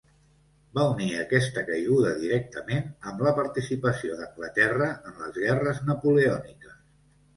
Va unir aquesta caiguda directament amb la participació d'Anglaterra en les guerres napoleòniques.